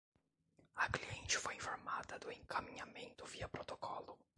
A cliente foi informada do encaminhamento via protocolo